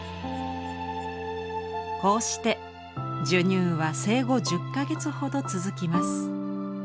こうして授乳は生後１０か月ほど続きます。